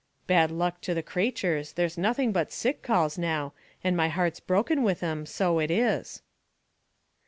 Bad luck to the cratures, there's nothing but sick calls now, and my heart's broken with them, so it is."